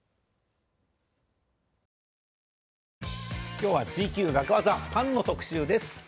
今日は「ツイＱ楽ワザ」パンの特集です。